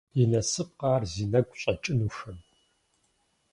И насыпкъэ ар зи нэгу щӀэкӀынухэм?!